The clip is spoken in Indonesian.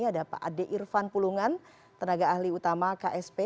ada pak ade irfan pulungan tenaga ahli utama ksp